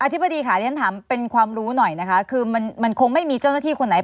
ธิบดีค่ะเรียนถามเป็นความรู้หน่อยนะคะคือมันมันคงไม่มีเจ้าหน้าที่คนไหน